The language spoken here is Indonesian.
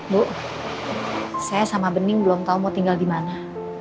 bu saya sama bening belum tahu mau tinggal di mana